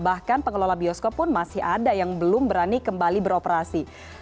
bahkan pengelola bioskop pun masih ada yang belum berani kembali beroperasi